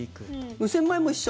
無洗米も一緒？